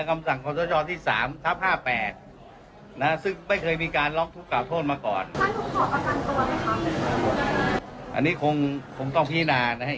ไม่เคยมีการล๊อกทุกการโทษมาก่อน